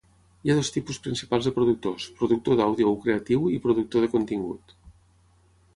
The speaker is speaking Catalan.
Hi ha dos tipus principals de productors: productor d'àudio o creatiu i productor de contingut.